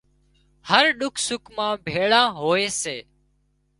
هر ڏک سُک مان ڀيۯان هوئي سي